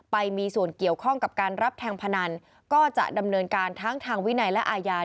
ไปมีส่วนเกี่ยวข้องกับการรับแทงพนันก็จะดำเนินการทั้งทางวินัยและอาญา